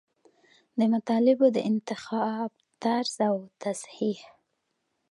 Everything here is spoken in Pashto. د مطالبو د انتخاب طرز او تصحیح.